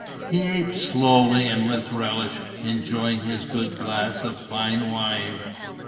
He ate slowly and with relish, enjoying his good glass of fine wine.